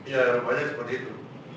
ya rupanya seperti itu